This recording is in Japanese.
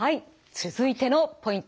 続いてのポイント